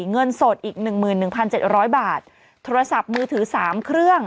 เงินสดอีก๑๑๗๐๐บาทโทรศัพท์มือถือ๓เครื่อง